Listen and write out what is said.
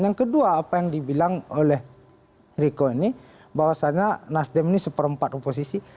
yang kedua apa yang dibilang oleh riko ini bahwasannya nasdem ini seperempat oposisi